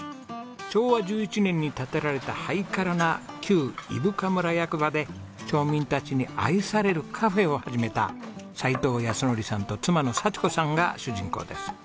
昭和１１年に建てられたハイカラな旧伊深村役場で町民たちに愛されるカフェを始めた齊藤靖憲さんと妻の佐千子さんが主人公です。